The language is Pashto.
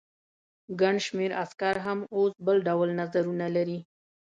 ګڼ شمېر عسکر هم اوس بل ډول نظرونه لري.